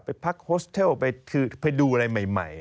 พักโฮสเทิลไปดูอะไรใหม่